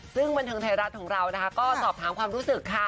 ซึ่งบันเทิงไทยรัฐของเรานะคะก็สอบถามความรู้สึกค่ะ